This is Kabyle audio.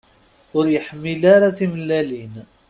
Ur yeḥmil ara timellalin.